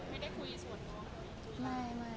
ไม่ค่ะ